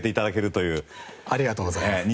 ありがとうございます。